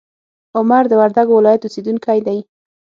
عمر د وردګو ولایت اوسیدونکی دی.